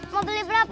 mau beli berapa